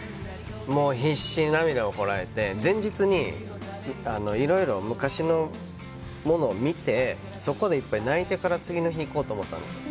必死に涙をこらえて、前日にいろいろ昔のものを見てそこでいっぱい泣いてから次の日、行こうと思ったんですよ。